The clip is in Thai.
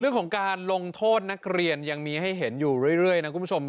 เรื่องของการลงโทษนักเรียนยังมีให้เห็นอยู่เรื่อยนะคุณผู้ชม